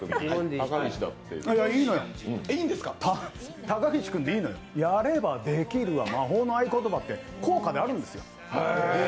いいのよ、高岸君でいいのよ、「やればできる」は魔法の言葉って効果であるんですよ。